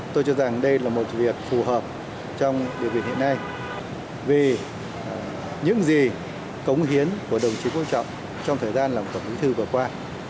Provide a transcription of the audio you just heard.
tôi cho rằng đây là một việc phù hợp trong điều kiện hiện nay vì những gì cống hiến của đồng chí quốc trọng trong thời gian làm tổng bí thư vừa qua